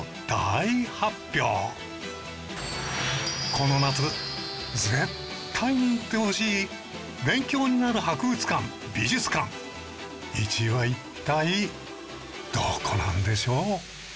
この夏絶対に行ってほしい勉強になる博物館・美術館１位は一体どこなんでしょう？